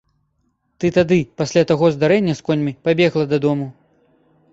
Ты тады, пасля таго здарэння з коньмі, пабегла дадому.